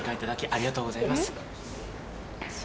ありがとうございます。